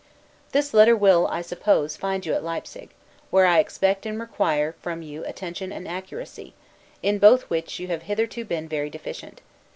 This letter will, I suppose, find you at Leipsig; where I expect and require from you attention and accuracy, in both which you have hitherto been very deficient.